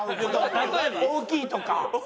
例えば？大きいとか。